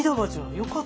よかった。